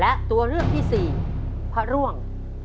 และตัวเลือกที่สี่พระร่วง